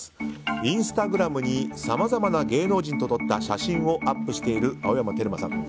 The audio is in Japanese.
インスタグラムにさまざまな芸能人と撮った写真をアップしている青山テルマさん。